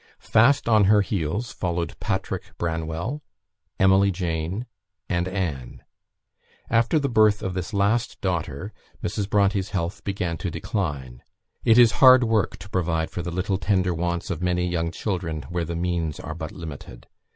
Fast on her heels followed Patrick Branwell, Emily Jane, and Anne. After the birth of this last daughter, Mrs. Bronte's health began to decline. It is hard work to provide for the little tender wants of many young children where the means are but limited.